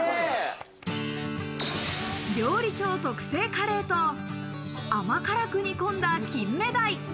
料理長特製カレーと甘辛く煮込んだ金目鯛。